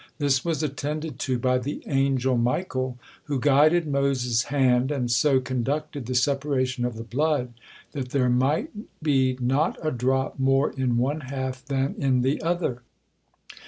This was attended to by the angel Michael, who guided Moses' hand, and so conducted the separation of the blood that there might be not a drop more in one half than in the other.